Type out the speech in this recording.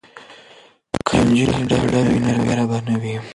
که نجونې ډاډه وي نو ویره به نه وي.